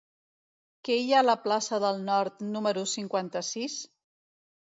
Què hi ha a la plaça del Nord número cinquanta-sis?